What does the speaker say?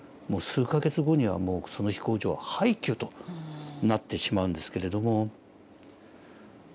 数か月後にはもうその飛行場は廃虚となってしまうんですけれども。